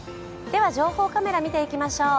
情報カメラを見てみましょう。